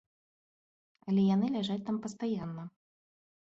Але яны ляжаць там пастаянна.